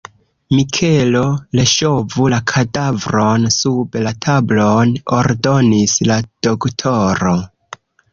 Mikelo, reŝovu la kadavron sub la tablon, ordonis la doktoro.